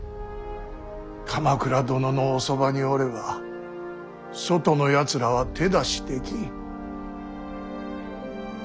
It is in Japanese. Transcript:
鎌倉殿のおそばにおれば外のやつらは手出しできん。